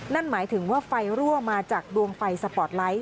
นั่นหมายถึงว่าไฟรั่วมาจากดวงไฟสปอร์ตไลท์